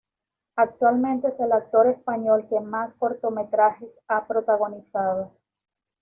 Actualmente es el actor español que más cortometrajes ha protagonizado.